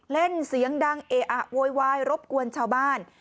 เล่นเสียงดังเออะโวยวายรบกวนชาวบ้าน